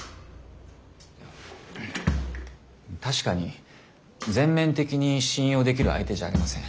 確かに全面的に信用できる相手じゃありません。